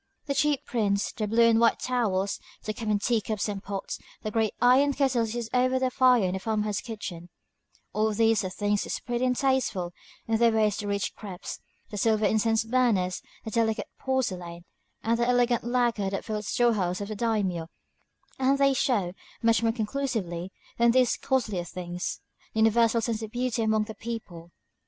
The cheap prints, the blue and white towels, the common teacups and pots, the great iron kettles in use over the fire in the farmhouse kitchen, all these are things as pretty and tasteful in their way as the rich crêpes, the silver incense burners, the delicate porcelain, and the elegant lacquer that fill the storehouse of the daimiō; and they show, much more conclusively than these costlier things, the universal sense of beauty among the people.